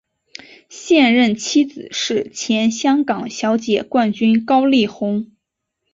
现任妻子是前香港小姐冠军高丽虹。